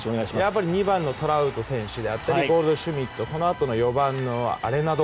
やっぱり２番のトラウト選手であったりゴールドシュミットそのあとの４番のアレナド。